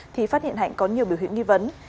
thì phát hiện hạnh có nhiều biểu hiện nghi vấn